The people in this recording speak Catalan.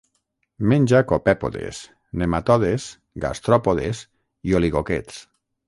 Menja copèpodes, nematodes, gastròpodes i oligoquets.